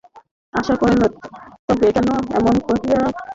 আশা কহিল, তবে কেন এমন করিয়া আমাদের মন কাড়িয়া লইলে।